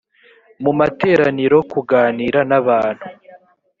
mu materaniro kuganira n abantu